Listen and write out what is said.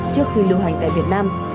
trước khi lưu hành tại việt nam